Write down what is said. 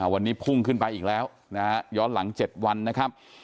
วันนี้พุ่งขึ้นไปอีกแล้วนะฮะย้อนหลัง๗วันนะครับ